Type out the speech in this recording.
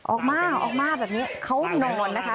ออกมาออกมาแบบนี้เขานอนนะคะ